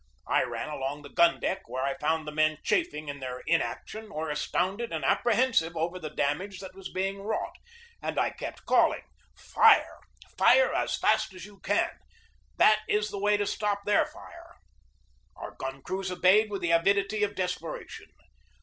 I ran along the gun deck, where I found the men chafing in their inaction or astounded and apprehensive over the damage that was being wrought, and I kept calling: 132 GEORGE DEWEY "Fire! Fire as fast as you can! That is the way to stop their fire!" Our gun crews obeyed with the avidity of des peration.